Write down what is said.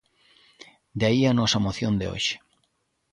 De aí a nosa moción de hoxe.